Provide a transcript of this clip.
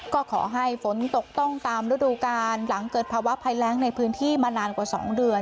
ก็ขอให้ฝนตกต้องตามฤดูการหลังเกิดภาวะภัยแรงในพื้นที่มานานกว่า๒เดือน